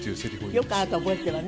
よくあなた覚えているわね。